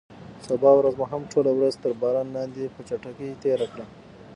سبا ورځ مو هم ټوله ورځ تر باران لاندې په چټکۍ تېره کړه.